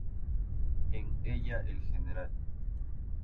En ella el Gral.